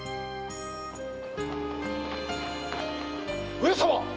上様！